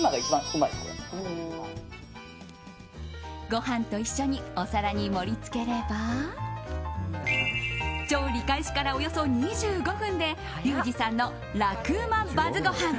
ご飯と一緒にお皿に盛りつければ調理開始から、およそ２５分でリュウジさんの楽ウマＢＵＺＺごはん